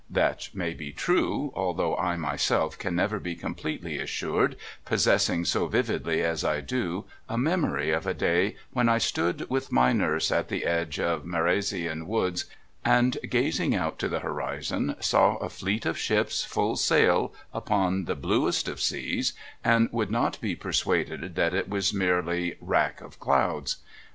That may be true, although I myself can never be completely assured, possessing so vividly as I do a memory of a day when I stood with my nurse at the edge of Merazion Woods and, gazing out to the horizon, saw a fleet of ships full sail upon the bluest of seas, and would not be persuaded that it was merely wrack of clouds.